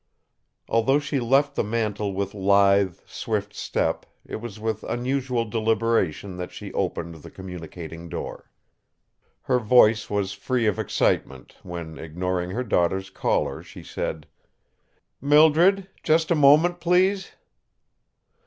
Although she left the mantel with lithe, swift step, it was with unusual deliberation that she opened the communicating door. Her voice was free of excitement when, ignoring her daughter's caller, she said: "Mildred, just a moment, please."